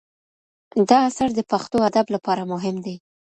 دا اثر د پښتو ادب لپاره مهم دی.